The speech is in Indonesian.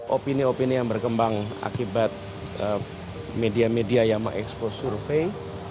opini opini yang berkembang akibat media media yang mengekspos survei